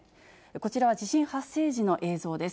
こちらは地震発生時の映像です。